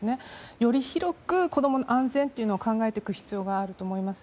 より広く、子供の安全というのを考えていく必要があると思います。